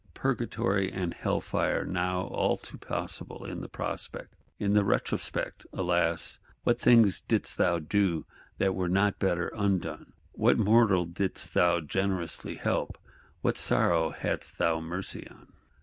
Purgatory and Hell fire, now all too possible, in the prospect; in the retrospect,—alas, what thing didst thou do that were not better undone; what mortal didst thou generously help; what sorrow hadst thou mercy on?